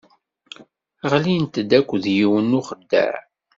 Ɣlint-d akked yiwen n uxeddaɛ.